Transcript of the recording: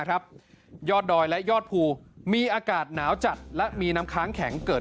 ยอดดอยและยอดภูมีอากาศหนาวจัดและมีน้ำค้างแข็งเกิด